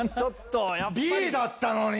Ｂだったのに！